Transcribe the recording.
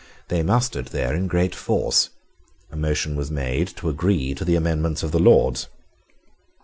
They mustered there in great force. A motion was made to agree to the amendments of the Lords.